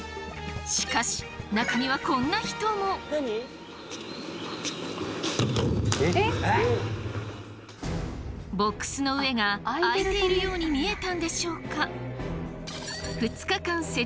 しかし中にはボックスの上が開いているように見えたんでしょうか？